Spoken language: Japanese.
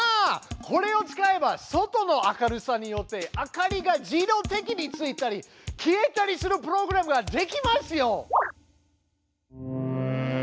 これを使えば外の明るさによって明かりが自動的についたり消えたりするプログラムができますよ。